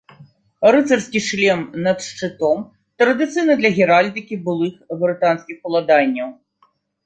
Рыцарскі шлем над шчытом традыцыйны для геральдыкі былых брытанскіх уладанняў.